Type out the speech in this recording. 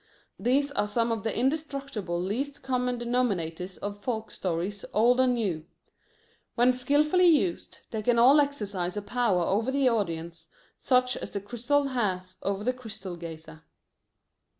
These are some of the indestructible least common denominators of folk stories old and new. When skilfully used, they can all exercise a power over the audience, such as the crystal has over the crystal gazer.